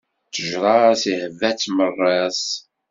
Ttejṛa-s ihba-tt maras.